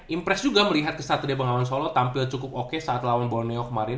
impress juga melihat ksatria bangawan solo tampil cukup oke saat lawan borneo kemarin